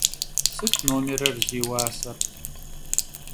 Sıt nomêrır zi vuaser?